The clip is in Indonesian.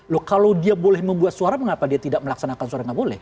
loh kalau dia boleh membuat suara mengapa dia tidak melaksanakan suara nggak boleh